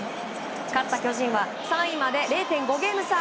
勝った巨人は３位まで０．５ゲーム差。